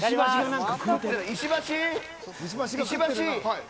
石橋。